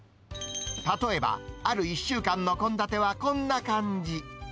例えば、ある１週間の献立はこんな感じ。